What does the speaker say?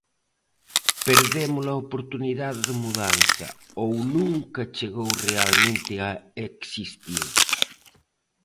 Perdemos a oportunidade de mudanza, ou nunca chegou realmente a existir?